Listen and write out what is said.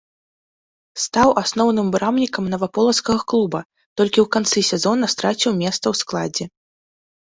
Стаў асноўным брамнікам наваполацкага клуба, толькі ў канцы сезона страціў месца ў складзе.